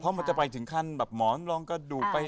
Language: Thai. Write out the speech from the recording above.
เพราะมันจะไปถึงขั้นแบบหมอนรองกระดูกไป